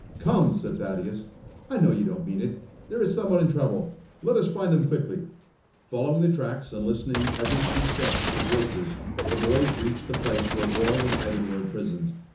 "Come!" said Thaddeus. "I know you don't mean it. There is someone in trouble. Let us find them quickly." Following the tracks and listening every few steps for the voices, the boys reached the place where Warren and Ivan were imprisoned.